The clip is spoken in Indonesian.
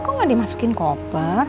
kok nggak dimasukin koper